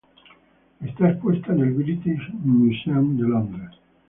Está expuesta en el British Museum de Londres.